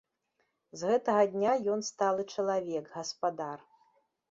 З гэтага дня ён сталы чалавек, гаспадар.